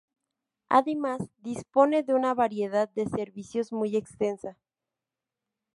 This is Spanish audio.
Además, dispone de una variedad de servicios muy extensa.